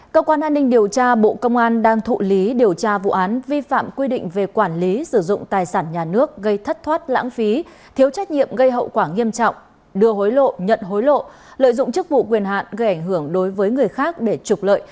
cơ quan an ninh điều tra bộ công an đang thụ lý điều tra vụ án vi phạm quy định về quản lý sử dụng tài sản nhà nước gây thất thoát lãng phí thiếu trách nhiệm gây hậu quả nghiêm trọng đưa hối lộ nhận hối lộ lợi dụng chức vụ quyền hạn gây ảnh hưởng đối với người khác để trục lợi